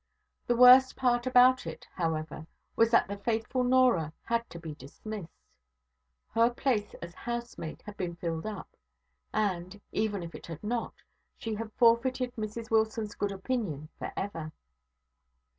The worst part about it, however, was that the faithful Norah had to be dismissed. Her place as housemaid had been filled up; and, even if it had not, she had forfeited Mrs Wilson's good opinion for ever.